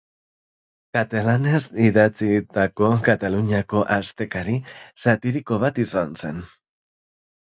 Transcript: Katalanez idatzitako Kataluniako astekari satiriko bat izan zen.